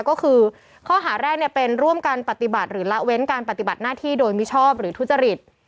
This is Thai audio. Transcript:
ก็คือข้อหาแรกเป็นร่วมกันปฏิบัติหรือละเว้นการปฏิบัติหน้าที่โดยมิชอบหรือทุจริต